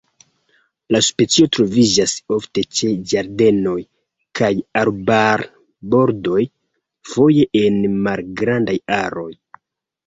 La specio troviĝas ofte ĉe ĝardenoj kaj arbarbordoj, foje en malgrandaj aroj.